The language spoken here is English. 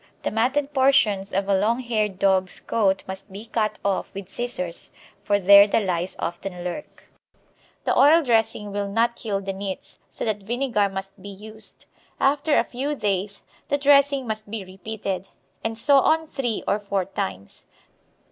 The matted portions of a long haired dog's coat must be cut off with scissors, for there the lice often lurk. The oil dressing will not kill the nits, so that vinegar must be used. After a few days the dressing must be repeated, and so on three or four times.